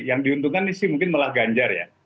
yang diuntungkan sih mungkin malah ganjar ya